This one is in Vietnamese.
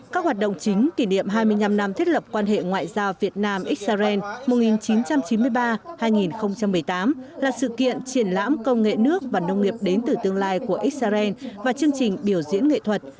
các hoạt động chính kỷ niệm hai mươi năm năm thiết lập quan hệ ngoại giao việt nam israel một nghìn chín trăm chín mươi ba hai nghìn một mươi tám là sự kiện triển lãm công nghệ nước và nông nghiệp đến từ tương lai của israel và chương trình biểu diễn nghệ thuật